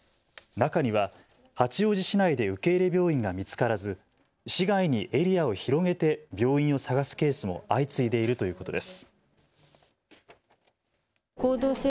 中には八王子市内で受け入れ病院が見つからず市外にエリアを広げて病院を探すケースも相次いでいるということです。